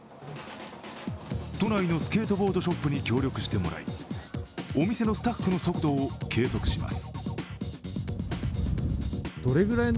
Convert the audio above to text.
都内のスケートボードショップに協力してもらいお店のスタッフの速度を計測します。